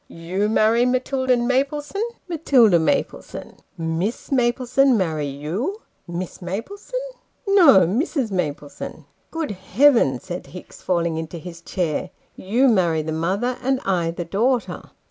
' You marry Matilda Maplesone ?"' Matilda Maplesone." ' Miss Maplesone marry you ?" 1 Miss Maplesone ! No : Mrs. Maplesone." ' Good Heaven !" said Hicks, falling into his chair :" You marry the mother, and I the daughter